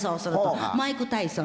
マイク体操。